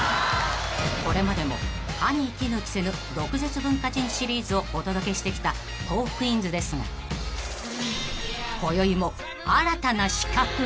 ［これまでも歯に衣着せぬ毒舌文化人シリーズをお届けしてきた『トークィーンズ』ですがこよいも］